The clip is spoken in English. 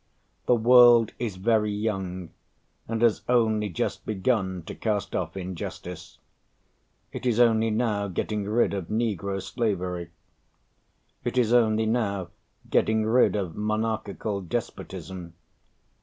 The world is very young, and has only just begun to cast off injustice. It is only now getting rid of negro slavery. It is only now getting rid of monarchical despotism.